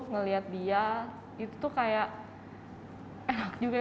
ngeliat dia itu tuh kayak enak juga ya